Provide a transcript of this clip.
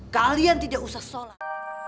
kalian tidak usah solat